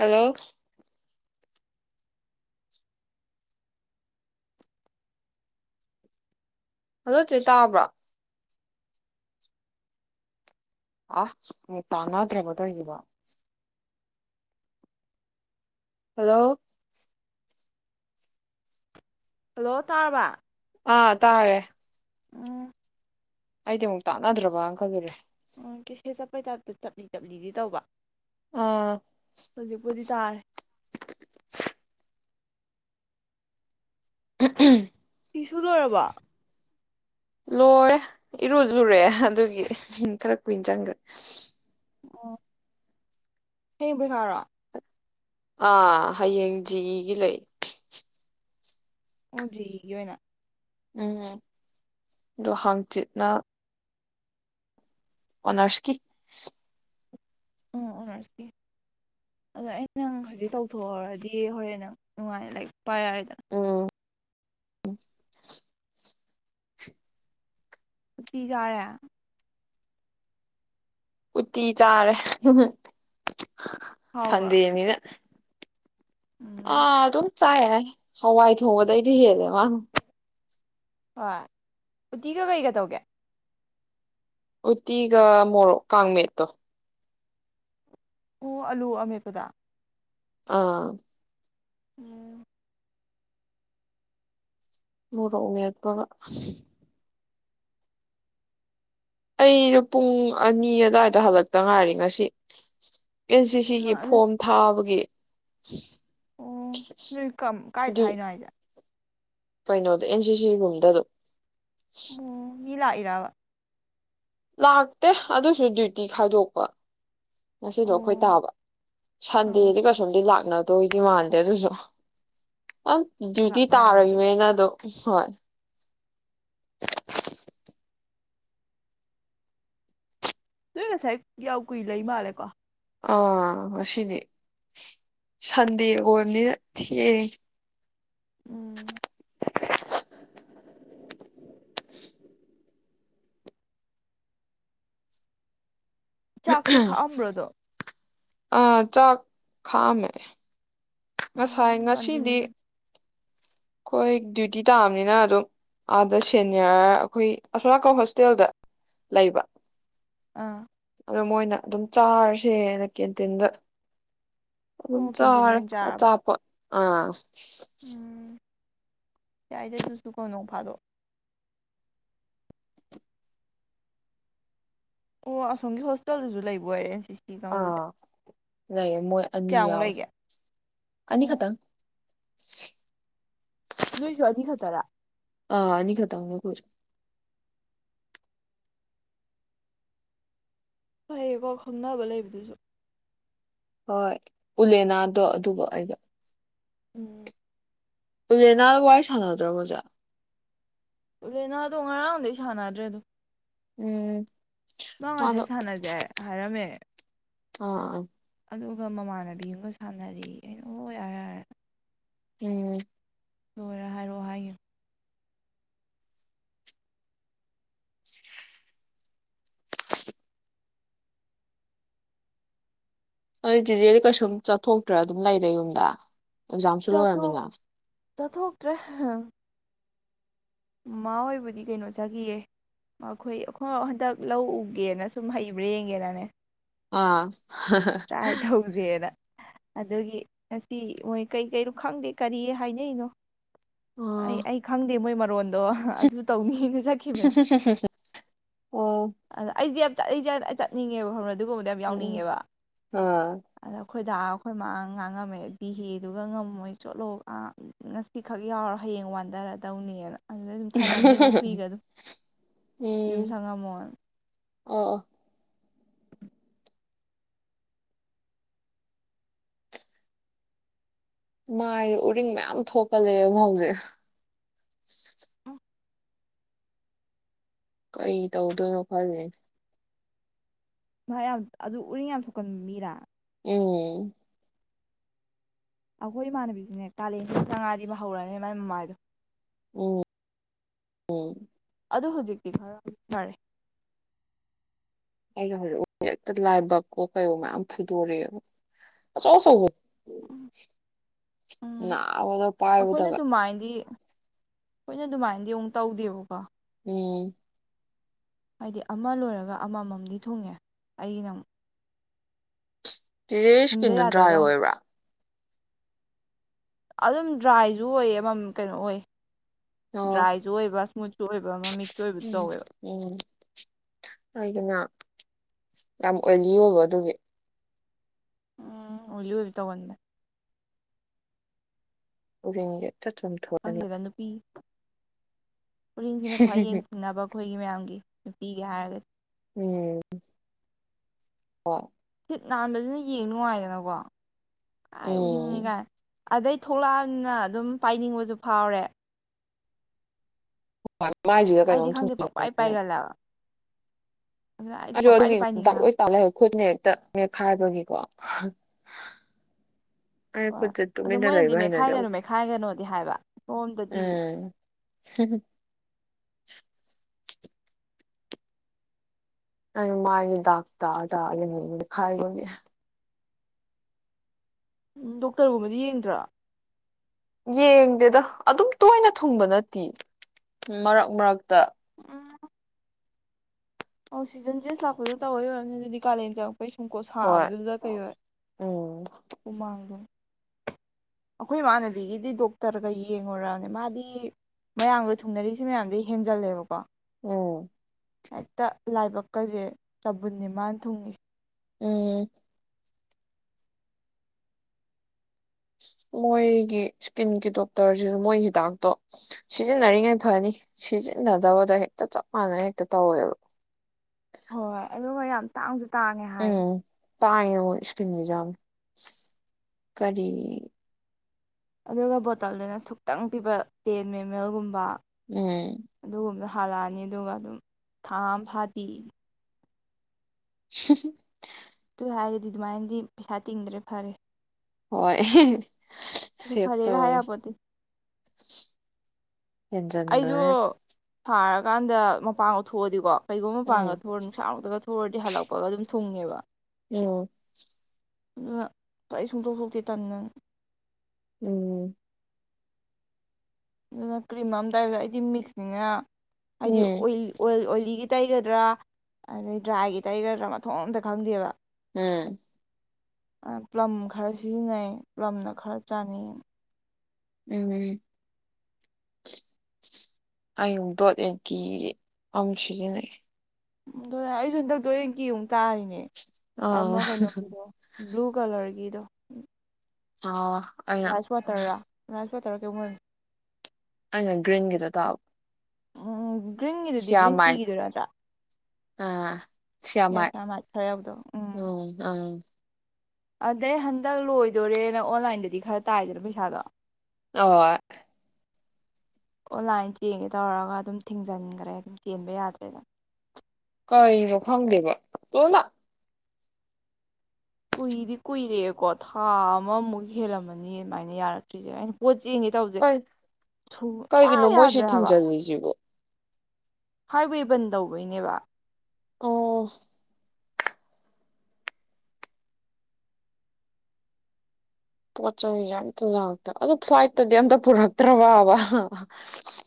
hello ꯑꯗꯣ ꯆꯦ ꯇꯥꯕ꯭ꯔꯥ ꯑꯥ ꯃꯨ ꯇꯥꯟꯅ ꯗꯔꯕꯇꯧꯢꯖꯤꯕꯣ ꯍꯜꯂꯣ ꯍꯜꯂꯣ ꯇꯥꯔꯕ ꯑꯥ ꯇꯥꯔꯦ ꯎꯝ ꯑꯩꯗꯤ ꯑꯃꯨꯛ ꯇꯥꯟꯅꯗ꯭ꯔꯕꯅ ꯈꯜꯂꯨꯔꯦ ꯑꯣ ꯀꯦ ꯐꯦ ꯆꯞꯄꯩ ꯇꯥꯞꯇ ꯆꯞꯂꯤ ꯆꯞꯂꯤꯗꯤ ꯇꯧꯕ ꯑꯥ ꯍꯧꯖꯤꯛꯄꯨꯗꯤ ꯇꯥꯔꯦ ꯎꯝꯍꯝ ꯐꯤꯁꯨ ꯂꯣꯏꯔꯕꯣ ꯂꯣꯏꯔꯦ ꯏꯔꯨꯖꯨ ꯂꯨꯔꯦ ꯑꯗꯨꯒꯤ ꯍ ꯈꯔ ꯀꯨꯏꯟ ꯆꯪꯈ꯭ꯔꯦ ꯑꯣ ꯍꯌꯦꯡ ꯄꯩꯈꯥꯔꯣ ꯑꯥ ꯍꯌꯦꯡ ꯖꯤꯢꯒꯤ ꯂꯩ ꯑꯣ ꯖꯤꯢꯒꯤ ꯑꯣꯏꯅ ꯎꯝ ꯑꯗꯣ ꯍꯪꯆꯤꯠꯅ ꯑꯣꯅꯔ꯭ꯁꯀꯤ ꯑꯣ ꯑꯣꯅꯔꯁꯀꯤ ꯑꯗꯣ ꯑꯩ ꯅꯪ ꯍꯧꯖꯤꯛ ꯇꯧꯊꯣꯛꯍꯧꯔꯗꯤ ꯍꯣꯔꯦꯟ ꯅꯪ ꯅꯨꯡꯉꯥꯏ ꯂꯥꯏꯔꯤꯛ ꯄꯥ ꯌꯥꯔꯦꯗꯅ ꯎꯝ ꯎꯇꯤ ꯆꯥꯔꯦ ꯎꯇꯤ ꯆꯥꯔꯦ ꯍꯥꯎꯕ꯭ꯔꯣ ꯁꯟꯗꯦꯅꯤꯅ ꯑ ꯎꯝ ꯑꯗꯨꯝ ꯆꯥꯏ ꯌꯥꯏ ꯍꯋꯥꯏ ꯊꯣꯡꯕꯗꯩꯗꯤ ꯍꯦꯜꯂꯦ ꯃꯥꯅ ꯍꯣꯏ ꯎꯇꯤꯒ ꯀꯩꯒ ꯇꯧꯒꯦ ꯎꯇꯤꯒ ꯃꯣꯔꯣꯛ ꯀꯥꯡꯃꯦꯠꯇꯣ ꯑꯣ ꯑꯂꯨ ꯑꯃꯃꯦꯠꯄꯗ ꯑꯥ ꯎꯝ ꯃꯔꯣꯛ ꯃꯦꯠꯄꯒ ꯑꯩꯗꯣ ꯄꯨꯡ ꯑꯅꯤ ꯑꯗꯨꯋꯥꯏꯗ ꯍꯜꯂꯛꯇ ꯉꯥꯏꯔꯤ ꯉꯁꯤ ꯑꯦꯟ ꯁꯤ ꯃꯥ ꯁꯤꯒꯤ ꯑꯗꯨ ꯐꯣꯔꯝ ꯊꯥꯕꯒꯤ [unintelligible] ꯑꯣ ꯅꯣꯏ ꯀ ꯀꯥꯏ ꯊ ꯍꯥꯏꯅꯣ ꯍꯥꯏꯁꯦ ꯀꯩꯅꯣꯗꯣ ꯑꯦꯟ ꯁꯤ ꯁꯤꯔꯨꯝꯗꯗꯨꯝ ꯑꯣ ꯀꯤ ꯂꯥꯛꯏꯔꯕ ꯂꯥꯛꯇꯦ ꯑꯗꯨꯁꯨ ꯗ꯭ꯌꯨꯇꯤ ꯈꯥꯏꯗꯣꯛꯄ ꯉꯁꯤꯗꯣ ꯑꯩꯈꯣꯏ ꯑꯣ ꯇꯥꯕ ꯑꯥ ꯁꯟꯗꯦꯗꯤ ꯀꯁꯨꯝꯗꯤ ꯂꯥꯛ ꯅ ꯗꯣꯏꯗꯤ ꯃꯥꯥꯟꯗꯦ ꯑꯗꯨꯁꯨ ꯑꯪ ꯗ꯭ꯌꯨꯇꯤ ꯂꯥꯛꯅꯔꯗꯤ ꯇꯥꯔꯣꯏꯅꯦꯅ ꯑꯗꯨꯝ ꯍꯣꯏ ꯅꯣꯏ ꯉꯁꯥꯏ ꯌꯥꯝ ꯀꯨꯏ ꯂꯩ ꯃꯥꯜꯂꯦꯀꯣ ꯑꯥ ꯉꯁꯤꯗꯤ ꯁꯟꯗꯦ ꯑꯣꯏꯕꯅꯤꯅ ꯊꯦꯡ ꯎꯝ ꯆꯥꯛꯇꯤ ꯈꯥꯛ ꯑꯃꯕ꯭ꯔꯗꯨꯝ ꯑ ꯆꯥꯛ ꯈꯥꯛꯑꯃꯦ ꯉꯁꯥꯏ ꯎꯝ ꯉꯁꯤꯗꯤ ꯀꯥꯟꯇꯤꯟ ꯑꯩꯈꯣꯏ ꯗ꯭ꯌꯨꯇꯤ ꯇꯥꯕꯅꯤꯅ ꯑꯗꯨꯝ ꯑꯥꯗ ꯁꯦꯅꯤꯌꯔ ꯑꯩꯈꯣꯏ ꯑꯁꯣꯝꯅꯥꯟ ꯍꯣꯁꯇꯦꯜꯗ ꯂꯩꯕ ꯑꯥ ꯑꯗꯣ ꯃꯣꯏꯅ ꯑꯗꯨꯝ ꯆꯥꯔꯁꯦꯅ ꯀꯦꯟꯇꯤꯟꯗ ꯑꯗꯨꯝ ꯑꯣ ꯆꯥꯏ ꯀꯦꯟꯇꯤꯟꯗ ꯑꯣꯏꯅ ꯆꯥꯔꯕ ꯑꯆꯥꯄꯣꯠ ꯑꯥ ꯎꯝ ꯆꯥꯏꯗ ꯗꯨꯁꯨ ꯀꯣ ꯅꯣꯡ ꯐꯥꯗꯣꯛ ꯑꯣ ꯑꯁꯪꯝꯒꯤ ꯍꯣꯁꯇꯦꯜꯗꯨꯁꯨ ꯂꯩꯕꯣꯏꯔꯦ ꯗꯤꯁꯇꯤ ꯀꯥꯡꯒꯨꯁꯦ ꯑꯥ ꯂꯩꯌꯦ ꯃꯣꯏ ꯑꯅꯤ ꯌꯥꯎꯋꯦ ꯑꯅꯤ ꯑꯣ ꯈꯛꯇꯪ ꯅꯣꯏꯁꯨ ꯑꯅꯤ ꯈꯛꯇꯔ ꯑꯥ ꯑꯅꯤ ꯈꯛꯇꯪꯅꯤ ꯑꯈꯣꯢꯁꯨ ꯐꯩꯌꯦꯕꯣ ꯈꯪꯅꯕ ꯂꯩꯕꯗꯨꯁꯨ ꯍꯣꯏ ꯎꯂꯦꯅꯥꯗꯣ ꯑꯗꯨ ꯑꯩꯒ ꯎꯝ ꯎꯂꯦꯅꯒ ꯋꯥꯔꯤ ꯁꯅꯗ꯭ꯔꯕꯣ ꯍꯧꯖꯤꯛ ꯎꯂꯅꯥꯗꯣ ꯉꯔꯥꯡ ꯗꯩ ꯁꯥꯟꯅꯗ꯭ꯔꯦ ꯑꯗꯨꯝ ꯎꯝ ꯃꯥ ꯃꯥꯗꯣ ꯉꯁꯥꯏ ꯁꯥꯟꯅꯁꯦ ꯍꯥꯏꯔꯝꯃꯦ ꯑꯥ ꯑꯥ ꯑꯗꯨꯒ ꯃꯃꯥꯟꯅꯕꯤ ꯑꯃꯒ ꯁꯥꯟꯅꯔꯦꯌꯦ ꯑꯩꯅ ꯍꯣꯏ ꯌꯥꯔꯦ ꯌꯥꯔꯦ ꯎꯝ ꯂꯣꯏꯔ ꯍꯥꯏꯔꯛꯑꯣ ꯍꯥꯏꯒꯤꯝ ꯑꯗꯨꯗꯤ ꯆꯤꯆꯦꯁꯨ ꯀꯩꯁꯨꯝ ꯆꯠꯊꯣꯛꯇ꯭ꯔꯥ ꯑꯗꯨꯝ ꯂꯩꯔꯦ ꯌꯨꯝꯗ ꯑꯦꯛꯖꯥꯝꯁꯨ ꯆꯊꯣ ꯂꯣꯏꯔꯝꯃꯤꯅ ꯆꯊꯣꯛꯇ꯭ꯔꯦ ꯃꯥ ꯍꯣꯏꯕꯨꯗꯤ ꯀꯩꯅꯣ ꯆꯥꯈꯤꯌꯦ ꯃꯈꯣꯏ ꯑꯩꯈꯣꯏ ꯍꯟꯗꯛ ꯂꯧ ꯎꯒꯦꯅ ꯁꯨꯝ ꯍꯩꯕ꯭ꯔꯥ ꯌꯦꯡꯒꯦꯅꯅꯦ ꯑꯥ ꯇ꯭ꯔꯥꯏ ꯇꯧꯁꯦꯅ ꯑꯗꯨꯒꯤ ꯉꯁꯤ ꯃꯣꯏ ꯀꯩ ꯀꯩꯅꯣ ꯈꯪꯗꯦ ꯀꯔꯤ ꯍꯥꯏꯅꯔꯤꯅꯣ ꯑꯩ ꯑꯥ ꯑꯩ ꯈꯪꯗꯦ ꯃꯣꯏ ꯔꯣꯟꯗꯣ ꯑꯗꯨ ꯇꯧꯅꯤꯅ ꯆꯠꯈꯤꯕꯅꯦ ꯑꯣ ꯆꯠꯂꯤ ꯆꯠ ꯑꯩ ꯆꯠꯅꯤꯡꯉꯦꯕ ꯑꯗꯨꯒꯨꯝꯕꯗ ꯌꯥꯝ ꯎꯝ ꯎꯝ ꯌꯥꯎꯅꯤꯡꯉꯦꯕ ꯑꯥ ꯑꯩꯈꯣꯏꯗ ꯑꯩꯈꯣꯏ ꯃꯥꯒ ꯉꯥꯡꯉꯝꯃꯦ ꯗꯤ ꯍꯦꯗꯨꯒ ꯉꯝꯃꯣꯏ ꯆꯠꯂꯣ ꯑ ꯉꯁꯤ ꯈꯛ ꯌꯥꯎꯔ ꯍꯌꯦꯡ ꯋꯥꯟꯊꯔꯛꯑꯗꯧꯅꯦꯅ ꯑꯗꯨꯗꯩ ꯑꯗꯨꯝ ꯊꯥꯅꯝꯃꯦ ꯑꯗꯨꯝ ꯍꯨꯏꯒ ꯑꯗꯨꯝ ꯌꯨꯝ ꯎꯝ ꯁꯪꯉꯝꯃꯣꯅ ꯑꯣ ꯑꯣ [inaudible] ꯃꯥꯏ ꯎꯔꯤꯡ ꯃꯌꯥꯝ ꯊꯣꯛꯀꯜꯂꯛ ꯑꯦꯕ ꯍꯧꯖꯤꯛ ꯀꯩ ꯇꯧꯗꯣꯏꯅꯣ ꯈꯂꯤ ꯃꯥꯢ ꯌꯥꯝ ꯑꯗꯨ ꯎꯔꯤꯡ ꯌꯥꯝ ꯊꯣꯛꯀꯟꯕ ꯃꯤꯔꯥ ꯎꯝ ꯑꯩꯈꯣꯏ ꯏꯃꯥꯟꯅꯕꯤꯁꯨꯅꯦ ꯀꯥꯂꯦꯟ ꯍꯦꯛ ꯆꯪꯂꯛꯑꯗꯤ ꯍꯧꯔꯅꯤ ꯃꯥꯏ ꯃꯃꯥꯏꯗꯣ ꯎꯝ ꯎꯝ ꯑꯗ ꯍꯧꯖꯤꯛꯇꯤ ꯈꯔ ꯐꯔꯦ ꯑꯩꯩꯅ ꯍꯧꯖꯤꯛ ꯍꯦꯛꯇ ꯂꯥꯏꯕꯛꯑꯣ ꯀꯩꯑꯣ ꯃꯌꯥꯝ ꯐꯨꯗꯣꯔꯛꯑꯦꯕ ꯑꯆꯧ ꯑꯆꯧꯕ ꯅꯕꯅ ꯄꯥꯏꯕꯗꯒ ꯈꯣꯏꯅ ꯑꯗꯨꯃꯥꯏꯅꯗꯤ ꯑꯃꯨꯛ ꯇꯧꯗꯦꯕꯀꯣ ꯎꯝ ꯍꯥꯏꯗꯤ ꯑꯃ ꯂꯣꯏꯔꯒ ꯑꯃꯃꯝꯗꯤ ꯊꯨꯡꯉꯦ ꯑꯩꯅ ꯆꯦꯆꯦ ꯁ꯭ꯀꯤꯟꯗꯣ ꯗ꯭ꯔꯥꯏ ꯑꯣꯏꯕ꯭ꯔꯥ ꯑꯗꯨꯝ ꯗ꯭ꯔꯥꯏꯁꯨ ꯑꯣꯏꯌꯦ ꯑꯃꯃꯝ ꯀꯩꯅꯣ ꯑꯣꯏ ꯑꯣ ꯗ꯭ꯔꯥꯏꯖꯨ ꯑꯣꯏꯕ ꯁꯃꯨꯠ ꯑꯣꯏꯕꯃꯥ ꯃꯤ ꯎꯝ ꯎꯝ ꯑꯩꯗꯤꯅ ꯌꯥꯝ ꯑꯣꯏꯂꯤ ꯑꯣꯏꯕ ꯑꯗꯨꯒꯤ ꯎꯝ ꯑꯣꯏꯕ ꯇꯧꯒꯟꯕꯅꯦ ꯎꯔꯤꯡꯒꯤ ꯆꯠ ꯆꯨꯝ ꯊꯣꯛꯀꯅꯤ ꯎꯔꯤꯡꯁꯤꯅꯦ ꯈ꯭ꯋꯥꯏ ꯌꯦꯡꯊꯤꯡꯅꯕ ꯑꯩꯈꯣꯏꯒꯤ ꯃꯌꯥꯝꯒꯤ ꯅꯨꯄꯤꯒꯤ ꯍꯥꯏꯔꯒꯗꯤ ꯎꯝ ꯍꯣꯏ ꯁꯤꯠ ꯅꯥꯟꯕꯁꯤꯅ ꯌꯦꯡ ꯅꯨꯡꯉꯥꯏꯗꯅꯀꯣ ꯀꯥꯏ ꯎꯔꯤꯡꯅꯤ ꯎꯝ ꯀꯥꯏ ꯑꯗꯩ ꯊꯣꯛꯂꯛꯑꯕꯅꯤꯅ ꯑꯗꯨꯝ ꯄꯥꯏꯅꯤꯡꯕꯁꯨ ꯐꯥꯎꯔꯦ ꯃꯥꯏꯁꯤꯒ ꯑꯩꯗꯤ ꯀꯩꯅꯣꯝ ꯈꯪꯗꯦ ꯄꯪꯄꯥꯏ ꯊꯨꯡꯖꯜꯕꯅꯤꯅ [unintelligible] ꯄꯥꯏꯒꯜꯂꯦꯕ ꯑꯗꯨꯅ ꯑ ꯑꯩꯗꯤ ꯑꯗꯨꯒꯤ ꯄꯪꯄꯥꯏꯗꯤ ꯄꯥꯏꯅꯤꯡꯉꯦ ꯍꯥꯏꯕ ꯗꯥꯛꯂꯣꯏ ꯇꯥꯛꯂ ꯈꯨꯠꯅꯦ ꯍꯦꯛꯇ ꯃꯦꯛꯈꯥꯏꯕꯒꯤꯀꯣ ꯍ ꯪ ꯍ ꯍꯣꯏ ꯑꯗꯨ ꯃꯣꯏꯅꯗꯤ ꯎꯝ ꯃꯦꯠꯈꯥꯏꯒꯅꯨ ꯃꯦꯠꯈꯥꯏꯒꯅꯨꯗꯤ ꯍꯥꯏꯕ ꯁꯣꯝꯗꯗꯤ [inaudible] ꯑꯩ ꯃꯥꯏꯒꯤ ꯗꯥꯛ ꯇ ꯇꯒ ꯃꯦꯈꯥꯏꯕꯒꯤ ꯗꯣꯛꯇꯔꯒꯨꯝꯕꯗꯤ ꯌꯦꯡꯗ꯭ꯔꯣ ꯌꯦꯡꯗꯦꯗ ꯑꯗꯨꯝ ꯇꯣꯏꯅ ꯊꯨꯡꯕ ꯅꯠꯇꯦ ꯃꯔꯛ ꯃꯔꯛꯇ ꯑꯣ ꯁꯤꯖꯟ ꯆꯦꯟꯁ ꯂꯥꯛꯄꯗ ꯇꯧꯏ ꯑꯣꯏꯔꯝꯃꯤ ꯑꯗꯨꯗꯤ ꯀꯥꯂꯦꯟ ꯆꯪ ꯑꯩꯩ ꯁꯨꯝꯀꯣ ꯍꯣꯏ ꯁꯥꯕꯗꯨꯗ ꯀꯩ ꯑꯣꯏ ꯎꯝ ꯑꯩꯈꯣꯏ ꯏꯃꯥꯟꯅꯕꯤꯒꯤꯗꯤ ꯗꯣꯛꯇꯔꯒ ꯌꯦꯡꯉꯨꯔꯅꯦ ꯃꯥꯗꯤ ꯃꯌꯥꯝꯒ ꯊꯨꯡꯅꯔꯤꯁꯤ ꯃꯌꯥꯝꯗꯩ ꯍꯦꯟꯖꯜꯂꯦꯕꯀꯣ ꯎꯝ ꯍꯦꯛꯇ ꯂꯥꯏꯕꯛ ꯀꯁꯦ ꯆꯕꯨꯟꯅꯤ ꯃꯥꯥꯟ ꯊꯨꯡꯉꯤꯁꯦ ꯎꯝ ꯃꯣꯏꯒꯤ ꯏꯁꯀꯤꯟꯒꯤ ꯗꯣꯛꯇꯔꯁꯤꯁꯨ ꯃꯣꯏꯒꯤ ꯍꯤꯗꯥꯛꯇꯣ ꯁꯤꯖꯤꯟꯅꯔꯤꯉꯩ ꯐꯅꯤ ꯁꯤꯖꯤꯟꯅꯗꯕꯗ ꯍꯦꯛꯇ ꯆꯞ ꯃꯥꯟꯅꯅ ꯍꯦꯛꯇ ꯇꯧꯋꯦꯕ ꯍꯣꯏ ꯍꯣꯏ ꯑꯗꯨꯒ ꯌꯥꯝ ꯇꯥꯡꯁꯨ ꯇꯥꯡꯉꯦ ꯍꯥꯏ ꯇꯥꯡꯉꯤ ꯃꯣꯏ ꯏꯀꯤꯅꯒꯤꯖꯨ ꯌꯥꯝꯅ [unintelligible] ꯑꯗꯨꯒ ꯕꯣꯇꯜꯗꯨꯅ ꯁꯨꯛꯇꯪ ꯄꯤꯕ ꯇꯦꯟ ꯑꯦꯝ ꯑꯦꯜꯒꯨꯝꯕ ꯎꯝ ꯑꯗꯨꯒꯨꯝꯕ ꯍꯥꯜꯂꯛꯑꯅꯤ ꯑꯗꯨꯒ ꯑꯗꯨꯝ ꯊꯥ ꯑꯃ ꯐꯗꯦꯌꯦ [inaudible] ꯑꯗꯨꯍꯥꯏꯔꯗꯤ ꯑꯗꯨꯃꯥꯏꯅꯗꯤ ꯄꯩꯁꯥ ꯇꯤꯡꯗ꯭ꯔꯦ ꯐꯔꯦ ꯍꯣꯏ ꯑꯦ ꯍꯦ ꯑꯗꯨ ꯐꯔꯦꯒ ꯍꯥꯏꯌꯥꯄꯣꯠꯇꯦ ꯍꯦꯟꯖꯟꯕꯉꯩ ꯁꯥꯔꯀꯥꯟꯗ ꯃꯄꯥꯟꯒ ꯊꯣꯛꯑꯗꯤꯀꯣ ꯀꯩꯒꯨꯝꯕ ꯃꯄꯥꯟꯒ ꯎꯝ ꯊꯣꯛꯎꯔ ꯅꯨꯡꯁꯥꯃꯛꯇꯒ ꯊꯣꯛꯎꯔꯗꯤ ꯍꯜꯂꯛꯄꯒ ꯑꯗꯨꯝ ꯊꯨꯡꯉꯦꯕ ꯎꯝ ꯗꯨꯅ ꯑꯩ ꯁꯨꯡꯇꯣꯛ ꯁꯣꯛꯇꯦ ꯇꯟꯗꯅ ꯎꯝ ꯑꯗꯨꯅ ꯀ꯭ꯔꯤꯝ ꯑꯃ ꯇꯩꯕꯗ ꯑꯩꯗꯤ ꯃꯤꯛꯁꯅꯤꯅ ꯍꯥꯏꯗꯤ ꯎꯝ ꯑꯣꯏꯜ ꯑꯣꯏꯜ ꯑꯣꯏꯂꯤꯒꯤ ꯇꯩꯒꯗ꯭ꯔꯥ ꯑꯗꯩ ꯗ꯭ꯔꯥꯏꯒꯤ ꯇꯩꯒꯗ꯭ꯔꯥ ꯃꯊꯣꯡ ꯑꯃꯇ ꯈꯪꯗꯦꯕ ꯎꯝ ꯑꯥ ꯄ꯭ꯂꯝ ꯈꯔ ꯁꯤꯖꯤꯟꯅꯩ ꯄ꯭ꯂꯝꯅ ꯈꯔ ꯆꯥꯅꯩꯌꯦꯅ ꯎꯝ ꯑꯩ ꯃꯨꯛ ꯗꯣꯠ ꯑꯦꯟ ꯀꯤ ꯑꯃꯨꯛ ꯁꯤꯖꯤꯟꯅꯩ ꯑꯗꯨꯅ ꯍꯟꯗꯛ ꯗꯣꯠ ꯑꯦꯟ ꯀꯤ ꯑꯃꯨꯛ ꯇꯥꯔꯤꯅꯦ ꯑꯥ ꯑꯃ ꯀꯩꯅꯣꯒꯤꯗꯣ ꯕ꯭ꯂꯨ ꯀꯂꯔꯒꯤꯗꯣ ꯑꯥꯋꯥ ꯔꯥꯏꯁ ꯋꯥꯇꯔꯔꯣ [unintelligible] ꯑꯩꯅ ꯒ꯭ꯔꯤꯟꯒꯤꯗꯣ ꯇꯥꯥꯎ ꯎꯝ ꯒ꯭ꯔꯤꯟꯒꯤꯗꯨꯗꯤ ꯒ꯭ꯔꯤꯟ ꯇꯤꯒꯤꯗꯨ ꯅꯠꯇ꯭ꯔꯥ ꯑꯥ ꯁ꯭ꯌꯥꯃꯥꯏꯠ ꯌꯥꯁꯃꯥꯏꯠ ꯈꯔ ꯌꯥꯎꯕꯗꯣ ꯎꯝ ꯑꯪ ꯑꯥ ꯑꯗꯩ ꯍꯟꯗꯛ ꯂꯣꯏꯗꯣꯔꯦꯅ ꯑꯣꯟꯂꯥꯏꯟꯗꯗꯤ ꯈꯔ ꯇꯥꯏꯗꯅ ꯄꯩꯁꯥꯗꯣ [unintelligible] ꯑꯣꯟꯂꯥꯏꯟ ꯆꯦꯟꯒꯦ ꯇꯧꯔꯒ ꯑꯗꯨꯝ ꯊꯤꯡꯖꯤꯟꯈ꯭ꯔꯦ ꯑꯗꯨꯝ ꯆꯦꯟꯕ ꯌꯥꯗ꯭ꯔꯦꯗ ꯀꯩꯅꯣ ꯈꯪꯗꯦꯕ ꯂꯣꯏꯃꯛ ꯀꯨꯏꯗꯤ ꯀꯨꯏꯔꯦꯀꯣ ꯊꯥ ꯑꯃꯃꯨꯛ ꯍꯦꯜꯂꯝꯃꯅꯤ ꯑꯗꯨꯃꯥꯏꯅ ꯌꯥꯔꯛꯇ꯭ꯔꯤꯁꯦ ꯑꯩꯅ ꯄꯣꯠ ꯆꯦꯟꯒꯦ ꯇꯧꯁꯦ ꯀꯩ ꯁꯨꯛꯌꯥ ꯀꯩꯒꯤꯅꯣ ꯃꯣꯏꯁꯤ ꯌꯥꯗ꯭ꯔꯦ ꯍꯥꯏꯕ ꯊꯤꯡꯖꯤꯜꯂꯤꯁꯤꯕꯣ ꯍꯥꯏꯋꯦ ꯕꯟ ꯗꯧꯕꯩꯅꯦꯕ ꯑꯣ ꯄꯣꯠ ꯆꯩꯖꯦ ꯑꯃꯇ ꯂꯥꯛꯇꯕ ꯑꯗꯨ ꯐꯂꯥꯏꯠꯇꯗꯤ ꯑꯝꯇ ꯄꯨꯔꯛꯇ꯭ꯔꯕ꯭ꯔꯕ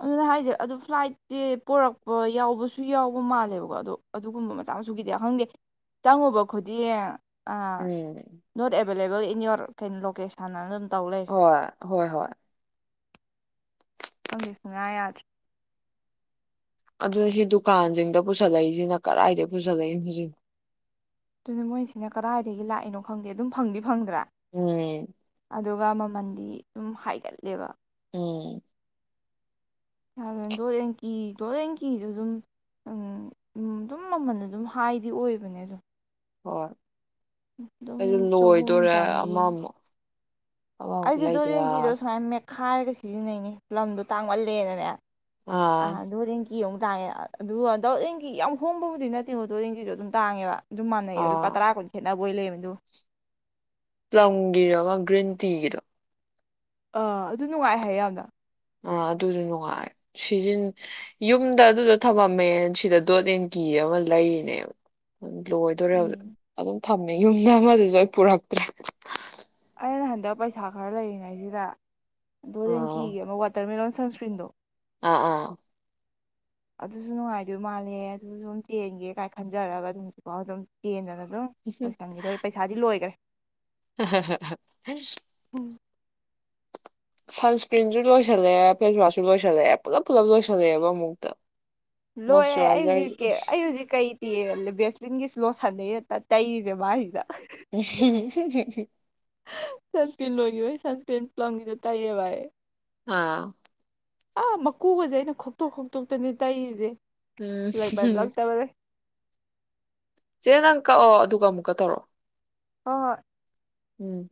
ꯑꯗꯨꯅꯦ ꯍꯥꯏꯁꯦ ꯑꯗꯨ ꯐ꯭ꯂꯥꯏꯠꯇꯤ ꯄꯨꯔꯛꯄ ꯌꯥꯎꯕꯁꯨ ꯌꯥꯎꯕ ꯃꯥꯜꯂꯦꯕꯀꯣ ꯑꯗꯣ ꯑꯗꯨꯒꯨꯝꯕ ꯃꯆꯥ ꯃꯁꯨꯒꯤꯗꯤ ꯈꯪꯗꯦ ꯆꯪꯉꯨꯕ ꯈꯨꯗꯤꯡ ꯑ ꯎꯝ ꯅꯣꯠ ꯑꯦꯞ ꯑꯟꯕꯦꯂꯦꯕꯜ ꯏꯟ ꯏꯌꯣꯔ ꯀꯩꯅꯣ ꯂꯣꯀꯦꯁꯟꯅ ꯑꯗꯨꯝ ꯇꯧ ꯂꯩꯔꯦ ꯍꯣꯏ ꯍꯣꯏꯍꯣꯏ ꯈꯪꯗꯦ ꯁꯨꯛꯌꯥ ꯌꯥꯗ꯭ꯔꯦ ꯑꯗꯨꯅ ꯁꯤ ꯗꯨꯀꯥꯟꯁꯤꯡꯗ ꯄꯨꯁꯜꯂꯛꯏꯁꯤꯅ ꯀꯔꯥꯏꯗꯒꯤ ꯄꯨꯁꯜꯂꯛꯏꯅꯣ ꯍꯧꯖꯤꯛ ꯑꯗꯨꯅ ꯃꯣꯏꯁꯤꯅ ꯀꯗꯥꯏꯗꯒꯤ ꯂꯥꯛꯏꯅꯣ ꯈꯪꯗꯦ ꯑꯗꯨꯝ ꯐꯪꯗꯤ ꯐꯪꯗ꯭ꯔꯥ ꯎꯝ ꯑꯗꯨꯒ ꯃꯃꯟꯗꯤ ꯑꯗꯨꯝ ꯍꯥꯏꯒꯠꯂꯦꯕ ꯎꯝ ꯗꯣ ꯑꯦꯟꯀꯤ ꯗꯣꯠ ꯑꯦꯟ ꯀꯤꯁꯨ ꯑꯗꯨꯝ ꯑꯗꯨꯝ ꯃꯃꯜ ꯑꯗꯨꯝ ꯍꯥꯏꯗꯤ ꯑꯣꯏꯕꯅꯦ ꯑꯗꯣ ꯍꯣꯏ ꯑꯗꯨꯝ ꯑꯩꯁꯨ ꯆꯍꯨꯝ ꯂꯣꯏꯗꯣꯔꯦ ꯆꯥꯝꯃꯔꯤ ꯑꯃꯃꯨꯛ ꯑꯉꯥꯎꯕ ꯑꯩꯁꯨ ꯗꯣꯠ ꯑꯦꯟꯗ ꯀꯤꯗꯣ ꯂꯩꯗꯔꯥ ꯁꯨꯃꯥꯢ ꯃꯦꯠ ꯈꯥꯏꯔꯒ ꯁꯤꯖꯤꯟꯅꯩꯅꯤ ꯂꯝꯗꯣ ꯇꯥꯡꯃꯜꯂꯦꯅꯅꯦ ꯑ ꯑꯥ ꯗꯣꯠ ꯑꯦꯟꯗ ꯀꯤ ꯀꯤ ꯑꯃꯨꯛ ꯇꯥꯡꯉꯦ ꯑꯗꯨꯒ ꯗꯣꯠ ꯑꯦꯟꯗ ꯀꯤꯒꯤ ꯌꯥꯝ ꯍꯣꯡꯕꯕꯨꯗꯤ ꯅꯠꯇꯦ ꯀꯣ ꯗꯣꯠ ꯑꯦꯟꯗ ꯀꯤꯗꯣ ꯑꯗꯨꯝ ꯇꯥꯡꯉꯦꯕ ꯑꯗꯨꯝ ꯃꯥꯟꯅꯩꯌꯦ ꯂꯨꯄꯥ ꯑꯥ ꯇꯔꯥ ꯀꯨꯟ ꯈꯦꯠꯅꯕ ꯑꯣꯏ ꯂꯩꯔꯝꯃꯦ ꯑꯗꯨꯒ ꯄ꯭ꯂꯝꯒꯤ ꯑꯃ ꯒ꯭ꯔꯤꯟ ꯇꯤꯒꯤꯗꯣ ꯑ ꯑꯗꯨ ꯅꯨꯡꯉꯥꯏꯍꯥꯢꯌꯦ ꯌꯥꯝꯅ ꯑꯥ ꯑꯗꯨꯁꯨ ꯅꯨꯡꯉꯥꯏ ꯁꯤꯖꯤꯟ ꯌꯨꯝꯗ ꯑꯗꯨꯗ ꯊꯃꯝꯃꯦ ꯁꯤꯗ ꯗꯣꯠ ꯑꯦꯟ ꯀꯤ ꯑꯃ ꯂꯩꯔꯤꯅꯦꯕ ꯂꯣꯏꯗꯣꯔꯦ ꯍꯧꯖꯤꯛ ꯎꯝ ꯑꯗꯨꯝ ꯊꯝꯃꯦ ꯌꯨꯝꯗ ꯑꯃꯗꯨꯁꯨ ꯑꯩ ꯄꯨꯔꯛꯇ꯭ꯔꯦ ꯑꯩꯅ ꯍꯟꯗꯛ ꯄꯩꯁꯥ ꯈꯔ ꯂꯩꯔꯤꯉꯩꯁꯤꯗ ꯗꯣꯠ ꯑꯦꯟ ꯑꯥ ꯀꯤꯒꯤ ꯑꯃ ꯋꯥꯇꯔꯃꯤꯂꯣꯟ ꯁꯟꯁꯀ꯭ꯔꯤꯟꯗꯣ ꯑꯥ ꯑꯥ ꯑꯗꯨꯁꯨ ꯅꯨꯡꯉꯥꯏꯗꯣꯏ ꯃꯥꯜꯂꯦ ꯑꯗꯨꯁꯨ ꯑꯗꯨꯝ ꯆꯦꯟꯒꯦ ꯀꯥꯏ ꯈꯟꯖꯔꯒ ꯑꯗꯨꯝ ꯍꯧꯖꯤꯐꯥꯎ ꯑꯗꯨꯝ ꯆꯦꯟꯗꯅ ꯑꯗꯨꯝ ꯂꯣꯏꯁꯟꯈꯤꯗꯧꯔꯦ ꯄꯩꯁꯥꯗꯤ ꯂꯣꯏꯈ꯭ꯔꯦ ꯍꯥ ꯍꯥ ꯎꯝ ꯁꯟꯁꯀ꯭ꯔꯤꯟꯁꯨ ꯂꯣꯏꯁꯤꯜꯂꯛꯑꯦ ꯐꯦꯁꯋꯥꯁꯁꯨ ꯂꯣꯏꯁꯤꯜꯂꯛꯦ ꯄꯨꯂꯞ ꯄꯨꯂꯞ ꯂꯣꯏꯁꯤꯜꯂꯛꯑꯦꯕ ꯑꯃꯨꯛꯇ ꯂꯣꯏꯔꯦ ꯑꯩ ꯃꯣꯏꯆꯔꯥꯏꯖꯔ ꯍꯧꯖꯤꯛ ꯑꯩ ꯍꯧꯖꯤꯛ ꯀꯩ ꯑꯦ ꯕꯦꯁꯂꯤꯟꯒꯤ ꯁꯂꯣ ꯁꯥꯟꯅꯩ ꯑꯦꯇꯥ ꯇꯩꯔꯤꯁꯦ ꯃꯥꯏꯁꯤꯗ [unintelligible] ꯁꯟꯁꯀ꯭ꯔꯤꯟ ꯂꯣꯢꯒꯤꯕꯩ ꯁꯟꯁꯀ꯭ꯔꯤꯟ ꯄ꯭ꯂꯝꯒꯤꯗꯨ ꯇꯩꯌꯦꯕ ꯑꯩ ꯑꯥ ꯑꯥ ꯃꯀꯨꯒꯁꯦ ꯑꯩꯅ ꯈꯣꯛꯇꯣꯛ ꯈꯣꯛꯇꯣꯛꯇꯅꯤ ꯇꯩꯔꯤꯁꯦ ꯎꯝ ꯂꯩꯥꯃꯜꯂꯛꯇꯕꯩ ꯆꯦ ꯅꯪ ꯀꯛꯑꯣ ꯑꯗꯨꯒ ꯑꯃꯨꯛꯀ ꯇꯧꯔꯑꯣ ꯍꯣꯏ ꯍꯣꯢ ꯎꯝ